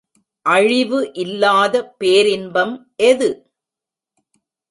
அழிவு இல்லாத பேரின்பம் எது?